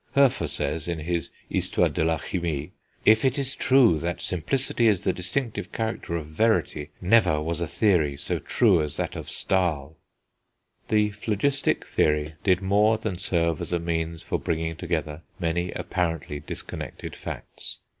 Hoefer says, in his Histoire de la Chimie, "If it is true that simplicity is the distinctive character of verity, never was a theory so true as that of Stahl." The phlogistic theory did more than serve as a means for bringing together many apparently disconnected facts.